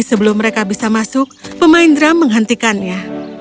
sebelum mereka bisa masuk pemain drum menghentikannya